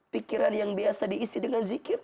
pikiran yang biasa diisi dengan zikir